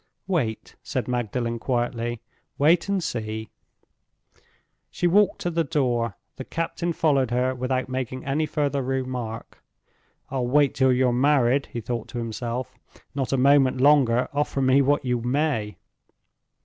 "Wait," said Magdalen, quietly. "Wait and see." She walked to the door. The captain followed her without making any further remark. "I'll wait till you're married," he thought to himself—"not a moment longer, offer me what you may."